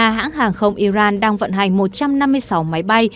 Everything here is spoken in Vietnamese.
hai mươi ba hãng hàng không iran đang vận hành một trăm năm mươi sáu máy bay